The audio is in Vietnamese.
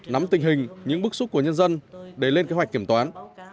nắm tình hình những bức xúc của nhân dân để lên kế hoạch kiểm toán